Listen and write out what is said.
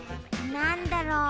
なんだろう？